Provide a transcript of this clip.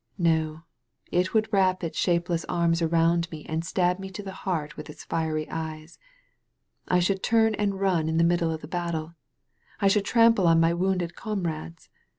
No, it would wrap its shape less arms around me and stab me to the heart with its fiery ^es. I should turn and run in the middle of the battle. I should trample on my wounded comrades.